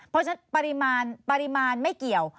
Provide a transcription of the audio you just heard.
เพราะฉะนั้นปริมาณไม่เกี่ยว